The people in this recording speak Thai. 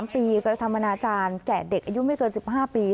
๓ปีกระทำอนาจารย์แก่เด็กอายุไม่เกิน๑๕ปี